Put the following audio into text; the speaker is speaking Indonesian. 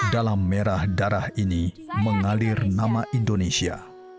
dalam merah darah ini mengalir nama indonesia